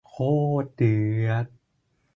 โคตรเดือด